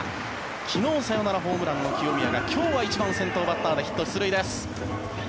昨日、サヨナラホームランの清宮が今日は１番先頭バッターで出塁です。